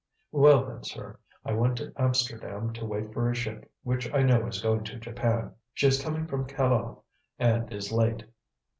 Well, then, sir, I went to Amsterdam to wait for a ship which I know is going to Japan. She is coming from Callao and is late."